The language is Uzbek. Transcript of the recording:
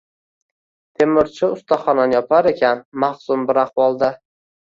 Temirchi ustaxonani yopar ekan mahzun bir ahvolda.